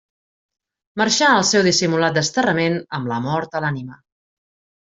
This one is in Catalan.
Marxà al seu dissimulat desterrament amb la mort a l'ànima.